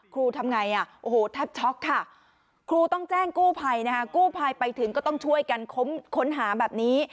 ทำไงอ่ะโอ้โหแทบช็อกค่ะครูต้องแจ้งกู้ภัยนะคะกู้ภัยไปถึงก็ต้องช่วยกันค้นหาแบบนี้